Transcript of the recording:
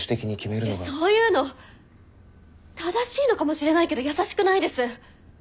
そういうの正しいのかもしれないけど優しくないです！